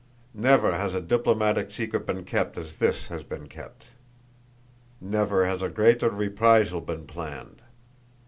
Never has a diplomatic secret been kept as this has been kept; never has a greater reprisal been planned.